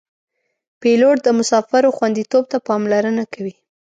پیلوټ د مسافرو خوندیتوب ته پاملرنه کوي.